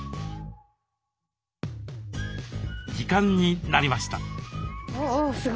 時間になりました。